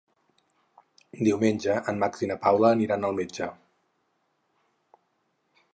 Diumenge en Max i na Paula aniran al metge.